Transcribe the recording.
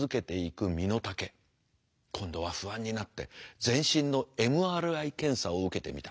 今度は不安になって全身のＭＲＩ検査を受けてみた。